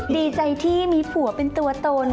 ดีใจที่มีผัวเป็นตัวตน